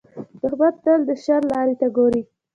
دښمن تل د شر لارې ته ګوري